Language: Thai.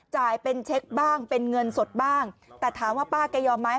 จ่ายเป็นเช็คบ้างเป็นเงินสดบ้างแต่ถามว่าป้าแกยอมไหม